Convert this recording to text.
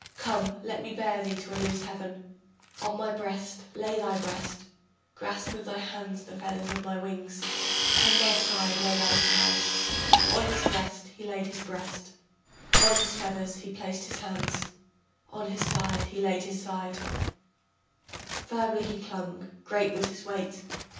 Come, let me bear thee to Anu's heaven, On my breast lay thy breast, Grasp with thy hands the feathers of my wings. On my side lay thy side. On his breast he laid his breast, On his feathers he placed his hands, On his side laid his side, Firmly he clung, great was his weight.